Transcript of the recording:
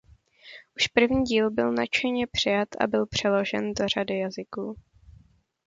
Už první díl byl nadšeně přijat a byl přeložen do řady jazyků.